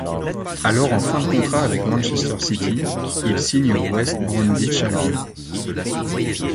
Alors en fin de contrat avec Manchester City, il signe au West Bromwich Albion.